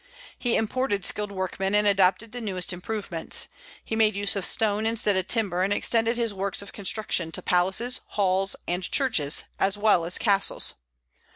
He imported skilled workmen, and adopted the newest improvements. He made use of stone instead of timber, and extended his works of construction to palaces, halls, and churches, as well as castles.